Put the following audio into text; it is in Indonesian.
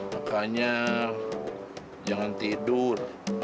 makanya jangan tidur